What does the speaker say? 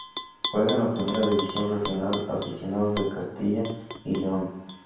Juega en la Primera División Regional Aficionados de Castilla y León.